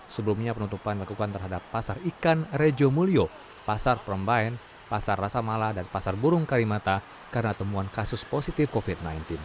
sebelumnya penutupan dilakukan terhadap pasar ikan rejo mulyo pasar perembain pasar rasa mala dan pasar burung karimata karena temuan kasus positif covid sembilan belas